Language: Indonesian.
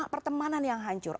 pertemanan yang hancur